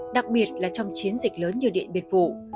đặc biệt là trong chiến dịch lớn như điện biên phủ